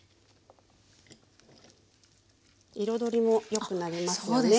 彩りもよくなりますよね